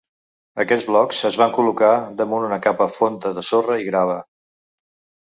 Aquests blocs es van col·locar damunt una capa fonda de sorra i grava.